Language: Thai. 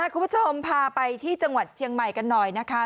คุณผู้ชมพาไปที่จังหวัดเชียงใหม่กันหน่อยนะคะ